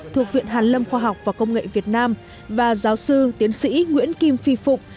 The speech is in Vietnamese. thuộc viện hàn lâm khoa học và công nghệ việt nam và giáo sư tiến sĩ nguyễn kim phi phụng